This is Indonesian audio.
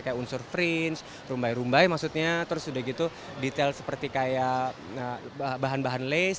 kayak unsur frins rumbai rumbai maksudnya terus udah gitu detail seperti kayak bahan bahan lace